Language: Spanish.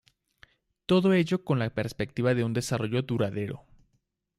Todo ello con la perspectiva de un desarrollo duradero.